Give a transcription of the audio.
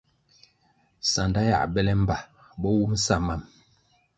Sanda yiā bele mbpa bo wum sa mam.